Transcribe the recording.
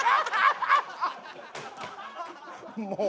もう。